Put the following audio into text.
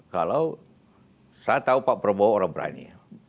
kalau saya tahu pak prabowo orang berani ya